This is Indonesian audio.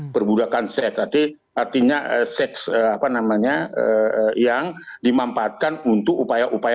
perbudakan seks artinya seks yang dimampatkan untuk upaya upaya